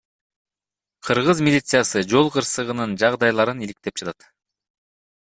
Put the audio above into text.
Кыргыз милициясы жол кырсыгынын жагдайларын иликтеп жатат.